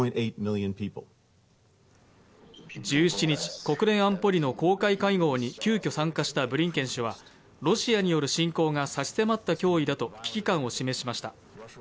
１７日、国連安保理の公開会合に急きょ参加したブリンケン氏はロシアによる侵攻が差し迫った脅威だと危機感を示しました。